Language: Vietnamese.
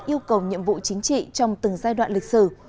yêu cầu nhiệm vụ chính trị trong từng giai đoạn lịch sử